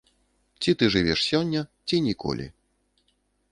Ці ты жывеш сёння, ці ніколі.